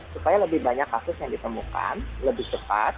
supaya lebih banyak kasus yang ditemukan lebih cepat